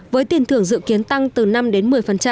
với tiền thưởng dự kiến tăng từ năm đến một mươi